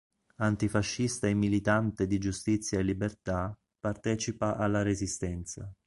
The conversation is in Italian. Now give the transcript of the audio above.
Antifascista e militante di Giustizia e Libertà, partecipa alla Resistenza.